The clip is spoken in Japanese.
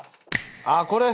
ああこれ。